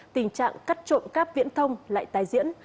tình trạng cắt trộm cáp viễn thông lại tái diễn